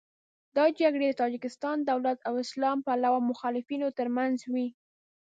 دا جګړې د تاجکستان دولت او اسلام پلوه مخالفینو تر منځ وې.